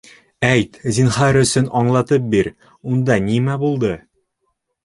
Әйт, зинһар өсөн, аңлатып бир, унда нимә булды?